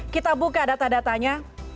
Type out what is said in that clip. kita buka data datanya